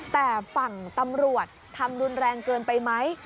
แต่ฝั่งตำรวจทำรุนแรงเกินไปไหม